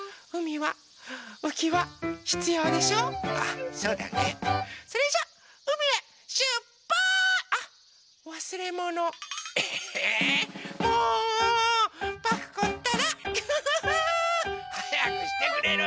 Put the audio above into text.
はやくしてくれる！